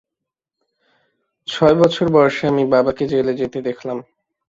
ছয় বছর বয়সে আমি বাবাকে জেলে যেতে দেখলাম।